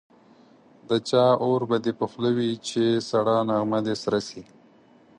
د چا اور به دي په خوله وي چي سړه نغمه دي سره سي